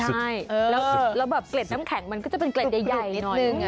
ใช่แล้วแบบเกล็ดน้ำแข็งมันก็จะเป็นเกล็ดใหญ่หน่อยนึง